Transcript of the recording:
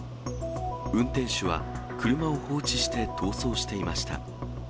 運転手は車を放置して逃走していました。